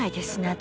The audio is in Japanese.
私。